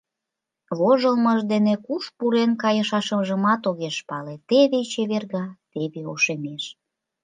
Вожылмыж дене куш пурен кайышашыжымат огеш пале: теве чеверга, теве ошемеш.